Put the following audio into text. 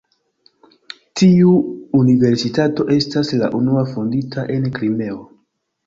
Tiu universitato estas la unua fondita en Krimeo.